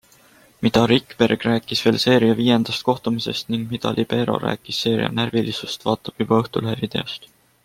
Mida Rikberg rääkis veel seeria viiendast kohtumisest ning mida libero rääkis seeria närvilisusest, vaata juba Õhtulehe videost!